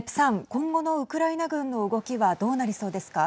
今後のウクライナ軍の動きは、どうなりそうですか。